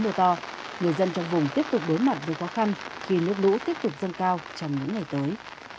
mưa to người dân trong vùng tiếp tục đối mặt với khó khăn khi nước lũ tiếp tục dâng cao trong những ngày tới